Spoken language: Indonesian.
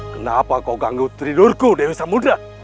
kenapa kau ganggu tidurku dewi samudera